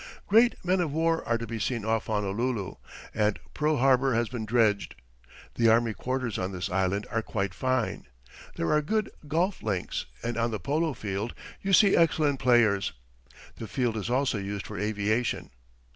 Great men of war are to be seen off Honolulu, and Pearl Harbour has been dredged. The army quarters on this island are quite fine. There are good golf links, and on the polo field you see excellent players; the field is also used for aviation.